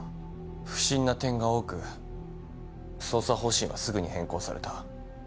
不審な点が多く捜査方針はすぐに変更された。